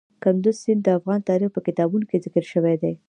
کندز سیند د افغان تاریخ په کتابونو کې ذکر شوی دی.